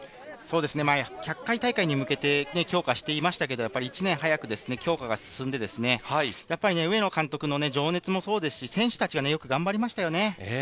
１００回大会に向けて強化していましたけど、１年早く強化が進んで上野監督の情熱もそうですし、選手たちがよく頑張りましたね。